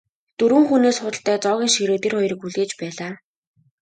Дөрвөн хүний суудалтай зоогийн ширээ тэр хоёрыг хүлээж байлаа.